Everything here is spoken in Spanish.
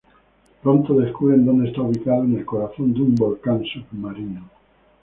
Pronto, descubren donde está ubicado, en el corazón de un volcán submarino.